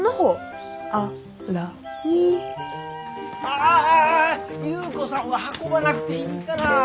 ああああ優子さんは運ばなくていいから。